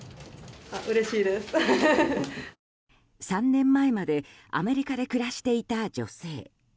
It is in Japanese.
３年前までアメリカで暮らしていた女性。